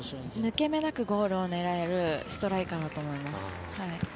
抜け目なくゴールを狙えるストライカーだと思います。